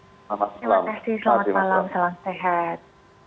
terima kasih selamat malam salam sehat